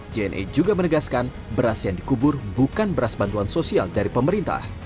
jne juga menegaskan beras yang dikubur bukan beras bantuan sosial dari pemerintah